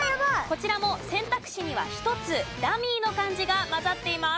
こちらも選択肢には１つダミーの漢字が混ざっています。